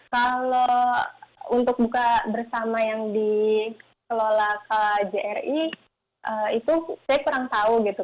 kalau untuk buka bersama yang dikelola kjri itu saya kurang tahu gitu